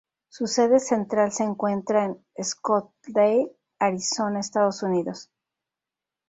Su sede central se encuentra en Scottsdale, Arizona, Estados Unidos.